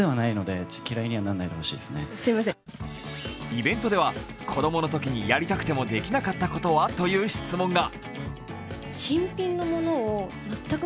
イベントでは子供のときにやりたくでもできなかったことは？という質問が。